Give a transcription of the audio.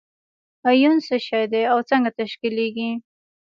ایون څه شی دی او څنګه تشکیلیږي؟